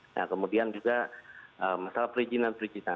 nah kemudian juga masalah perizinan perizinan